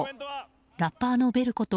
ラッパーのベルこと